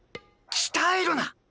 鍛えるな！